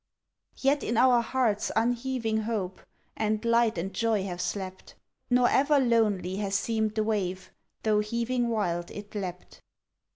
Yet in our hearts unheaving hope And light and joy have slept. Nor ever lonely has seemed the wave Tho' heaving wild it leapt.